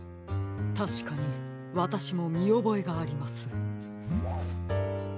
たしかにわたしもみおぼえがあります。